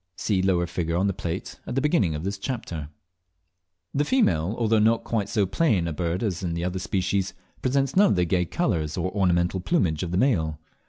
(See lower figure on the plate at the beginning of this chapter). The female, although not quite so plain a bird as in some other species, presents none of the gay colours or ornamental plumage of the male.